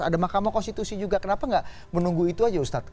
ada makam konstitusi juga kenapa tidak menunggu itu saja ustaz